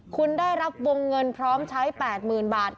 คุณได้รับวงเงินพร้อมใช้๘๐๐๐บาท